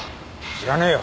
知らねえよ。